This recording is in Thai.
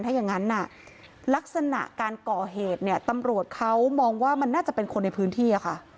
ถ้าอย่างนั้นลักษณะการก่อเหตุเนี่ยตำรวจเขามองว่ามันน่าจะเป็นคนในพื้นที่ค่ะ